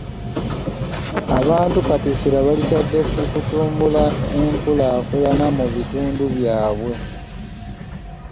Abantu kati essira balitadde ku kutumbula enkulaakulana mu bitundu byabwe.